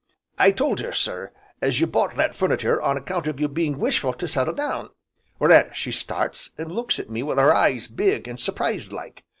"I told her, sir, as you bought that furnitur' on account of you being wishful to settle down, whereat she starts, an' looks at me wi' her eyes big, an' surprised like.